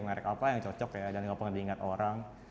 merek apa yang cocok ya dan gak pernah diingat orang